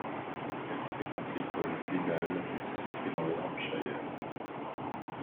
Elle fréquente l’école Bedales, située dans le Hampshire.